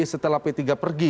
setelah p tiga pergi